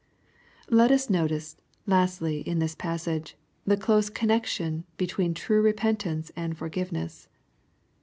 Let us notice, lastly, in this passage, the close cannex ionhetween true repentance and forgiveness.